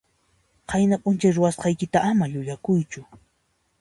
Qayna p'unchay ruwasqaykita ama llullakuychu.